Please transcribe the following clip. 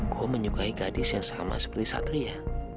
gua menyukai gadis yang sama seperti satri ya